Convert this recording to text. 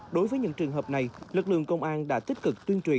đối với những trường hợp này lực lượng công an đã tích cực tuyên truyền